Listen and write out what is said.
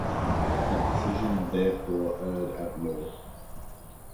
The decision therefore erred at law.